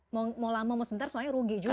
mau lama mau sebentar soalnya rugi juga